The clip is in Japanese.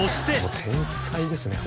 天才ですね